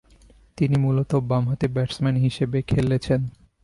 তিনি মূলতঃ বামহাতি ব্যাটসম্যান হিসেবে খেলেছেন।